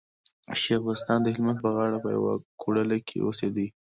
شېخ بستان د هلمند په غاړه په يوه کوډله کي اوسېدئ.